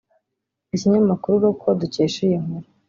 Ikinyamakuru Local dukesha iyi nkuru